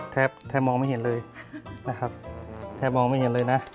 แทบแทบมองไม่เห็นเลยนะครับแทบมองไม่เห็นเลยนะ